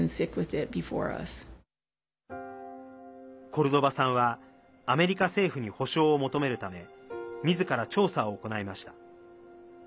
コルドバさんはアメリカ政府に補償を求めるためみずから調査を行いました。